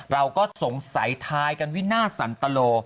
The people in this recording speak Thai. เราก็สงสัยทายกันวินาทสันตโล